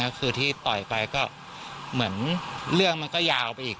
ก็คือที่ต่อยไปก็เหมือนเรื่องมันก็ยาวไปอีก